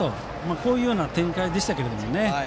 こういう展開でしたけどね。